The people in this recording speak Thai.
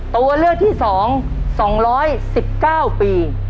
ตัวเลือกที่๒๒๑๙ปี